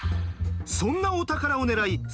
そんなお宝を狙い